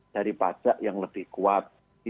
dari pajak yang lebih kuat